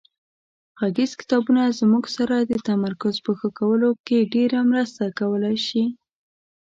غږیز کتابونه زموږ سره د تمرکز په ښه کولو کې ډېره مرسته کولای شي.